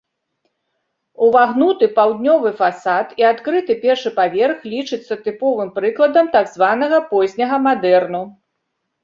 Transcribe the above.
Увагнуты паўднёвы фасад і адкрыты першы паверх лічыцца тыповым прыкладам так званага позняга мадэрну.